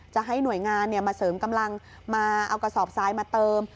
จะให้หน่วยงานมาเสริมกำลังมาเอากระสอบทรายมาเติม